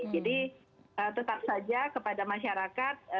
jadi tetap saja kepada masyarakat